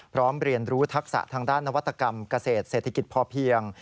เรียนรู้ทักษะทางด้านนวัตกรรมเกษตรเศรษฐกิจพอเพียง